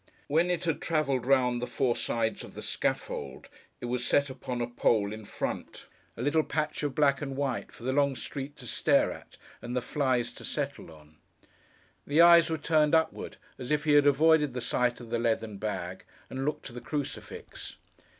When it had travelled round the four sides of the scaffold, it was set upon a pole in front—a little patch of black and white, for the long street to stare at, and the flies to settle on. The eyes were turned upward, as if he had avoided the sight of the leathern bag, and looked to the crucifix.